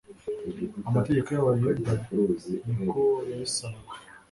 Amategeko y'Abayuda ni ko yabisabaga,